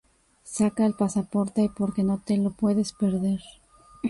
Saca el pasaporte porque no te lo puedes perder.